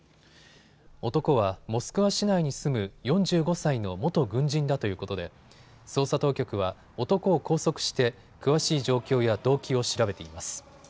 男はモスクワ市内に住む４５歳の元軍人だということで捜査当局は男を拘束して詳しい状況や動機を調べています。